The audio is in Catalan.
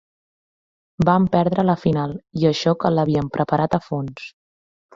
Van perdre la final, i això que l'havien preparat a fons.